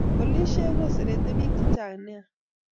Polishek koserete pik che chnga nea